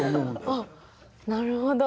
あなるほど。